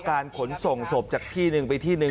ขนส่งศพจากที่หนึ่งไปที่หนึ่ง